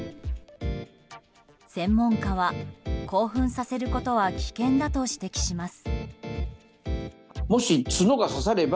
専門家は、興奮させることは危険だと指摘します。